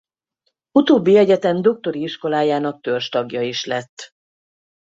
Utóbbi egyetem doktori iskolájának törzstagja is lett.